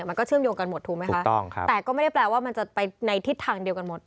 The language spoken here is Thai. มันก็เชื่อมโยงกันหมดถูกไหมคะแต่ก็ไม่ได้แปลว่ามันจะไปในทิศทางเดียวกันหมด